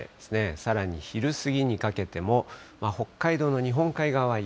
さらに昼過ぎにかけても、北海道の日本海側は雪。